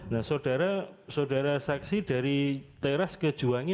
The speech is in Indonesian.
nah saudara saksi dari teras ke juwangi